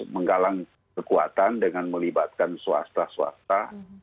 menggalang kekuatan dengan melibatkan swasta swasta